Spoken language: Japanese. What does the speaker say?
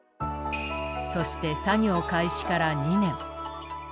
そして作業開始から２年。